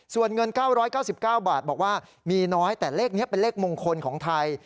ส่วนเงิน๙๙๙บาทบอกว่ามีน้อยแต่เลขนี้เป็นเลขมงคลของไทย